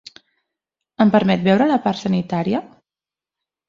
Em permet veure la part sanitària?